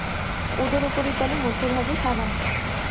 উদর উপরিতলে মধ্যভাগে সাদা।